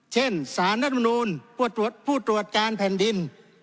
เช่นสารรัฐมนูลผู้ตรวจการแผ่นดิน